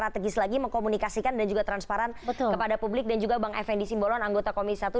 lagi lebih strategis lagi tempada komunikasi dan juga transparan kepada publik dan juga bang fnd symbolon anggota komisi satu dpr ri